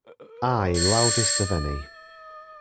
I loudest of any.